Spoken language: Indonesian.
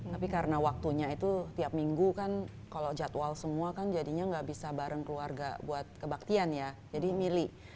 tapi karena waktunya itu tiap minggu kan kalau jadwal semua kan jadinya nggak bisa bareng keluarga buat kebaktian ya jadi milih